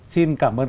xin cảm ơn